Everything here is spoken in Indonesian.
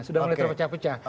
sudah mulai terpecah pecah